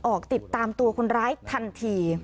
ออกติดตามตัวคนร้ายทันที